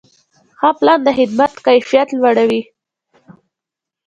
ښه پلان د خدمت کیفیت لوړوي.